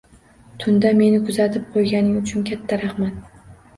Tunda meni kuzatib qo`yganing uchun katta rahmat